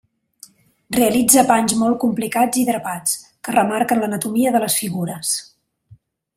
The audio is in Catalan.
Realitza panys molt complicats i drapats, que remarquen l'anatomia de les figures.